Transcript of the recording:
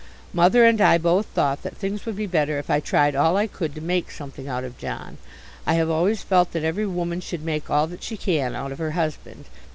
Mother and I both thought that things would be better if I tried all I could to make something out of John. I have always felt that every woman should make all that she can out of her husband.